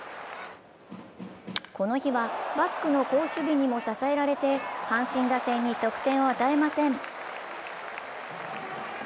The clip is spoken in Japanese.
この日はバックの好守備にも支えられて阪神打線に得点を与えません。